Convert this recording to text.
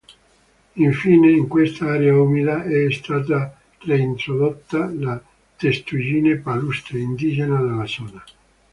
Infine, in questa area umida è stata reintrodotta la testuggine palustre, indigena della zona.